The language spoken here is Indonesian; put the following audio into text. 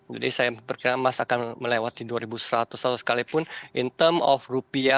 jadi saya berkira emas akan melewati dua ribu seratus sekalipun in term of rupiah mungkin ya antam sekitar dua ribu tujuh puluh ya kalau gak salah ya